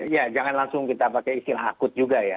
ya jangan langsung kita pakai istilah akut juga ya